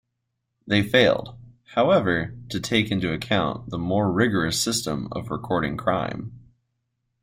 They failed, however, to take into account the more rigorous system for recording crime.